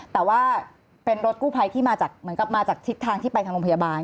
แต่ว่าเป็นรถกู้ภัยที่มาจากทิศทางที่ไปทางโรงพยาบาล